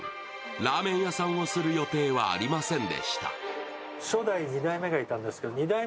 ラーメン屋さんをする予定はありませんでした。